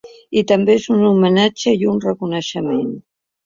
I també és un homenatge i un reconeixement.